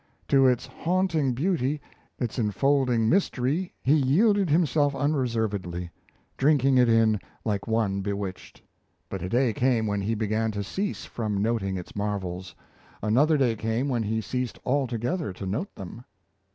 To its haunting beauty, its enfolding mystery, he yielded himself unreservedly drinking it in like one bewitched. But a day came when he began to cease from noting its marvels. Another day came when he ceased altogether to note them.